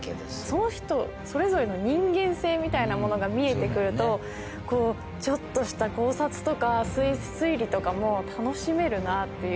その人それぞれの人間性みたいなものが見えてくるとちょっとした考察とか推理とかも楽しめるなっていう。